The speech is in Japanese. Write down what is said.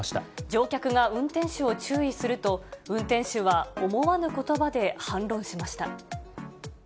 乗客が運転手を注意すると、運転手は思わぬことばで反論しました。